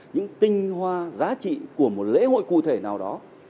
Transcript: những tinh hoa giá trị của một lễ hội cụ thể nào đó